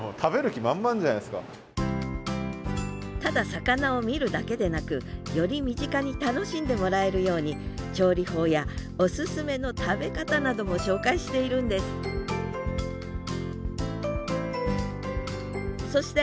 ただ魚を見るだけでなくより身近に楽しんでもらえるように調理法やオススメの食べ方なども紹介しているんですそして